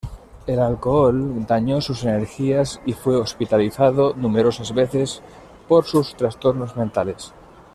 El alcohol dañó sus energías, y fue hospitalizado numerosas veces por sus trastornos mentales.